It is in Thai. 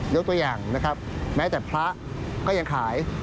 ยกตัวอย่างนะครับแม้แต่พระก็ยังขาย